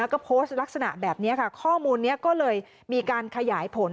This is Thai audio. ก็โพสต์ลักษณะแบบนี้ค่ะข้อมูลนี้ก็เลยมีการขยายผล